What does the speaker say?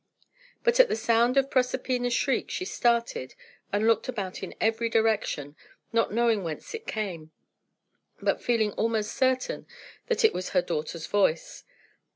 But, at the sound of Proserpina's shriek, she started, and looked about in every direction, not knowing whence it came, but feeling almost certain that it was her daughter's voice.